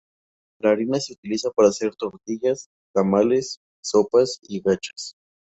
La harina se utiliza para hacer tortillas, tamales, sopas y gachas.